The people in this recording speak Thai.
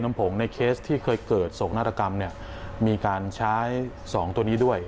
น้ำผงในเคสที่เคยเกิดโศกนาฏกรรมมีการใช้๒ตัวนี้ด้วย